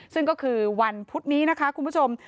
ซึ่งก็คือวันพุธนี้นะคะคุณผู้ชม